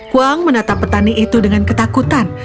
kuang menatap petani itu dengan ketakutan